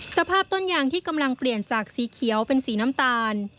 สภาพต้นยางที่กำลังเปลี่ยนจากสีเขียวเป็นสีน้ำตาล